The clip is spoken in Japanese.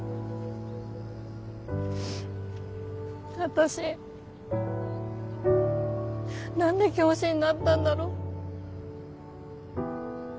私何で教師になったんだろう。